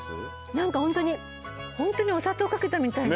なんかホントにホントにお砂糖かけたみたいな。